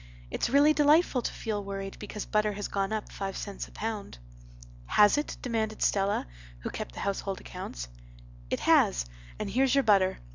It's really delightful to feel worried because butter has gone up five cents a pound." "Has it?" demanded Stella, who kept the household accounts. "It has—and here's your butter.